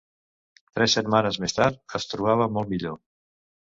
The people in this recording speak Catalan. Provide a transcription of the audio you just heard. Tres setmanes més tard es trobava molt millor.